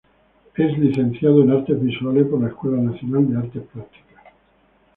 Es Licenciada en Artes Visuales por la Escuela Nacional de Artes Plásticas.